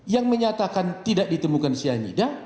yang menyatakan tidak ditemukan cyanida